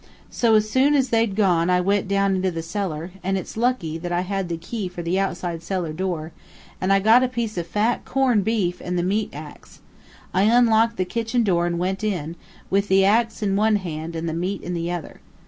So as soon as they'd gone, I went down into the cellar, and it's lucky that I had the key for the outside cellar door, and I got a piece of fat corn beef and the meat axe. I unlocked the kitchen door and went in, with the axe in one hand and the meat in the other.